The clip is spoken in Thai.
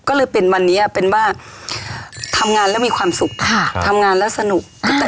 ก็เลยเป็นวันนี้เป็นว่าทำงานแล้วมีความสุขค่ะทำงานแล้วสนุก